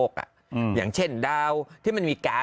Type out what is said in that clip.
ดำเนินคดีต่อไปนั่นเองครับ